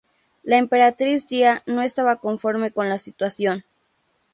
La Emperatriz Jia no estaba conforme con la situación.